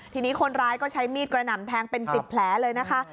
ทีนี้คนร้ายก็ใช้มีดกระหน่ำแทงเป็น๑๐แผลเลยนะคะ